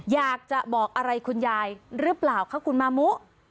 อยากจะบอกอะไรคุณยายหรือเปล่าคะคุณมามุ